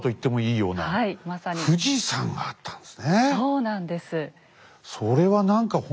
そうなんです。